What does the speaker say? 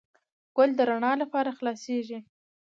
ګل د رڼا لپاره خلاصیږي.